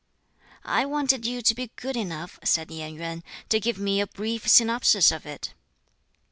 "I wanted you to be good enough," said Yen Yuen, "to give me a brief synopsis of it."